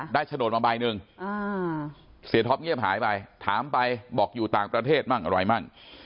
โฉนดมาใบหนึ่งเสียท็อปเงียบหายไปถามไปบอกอยู่ต่างประเทศมั่งอะไรมั่ง